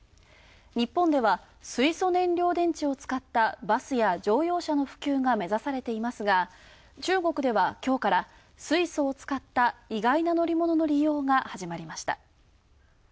日本では水素燃料電池を使ったバスや乗用車の普及が目指されていますが中国では、きょうから水素を使った意外な乗り物の始まりました。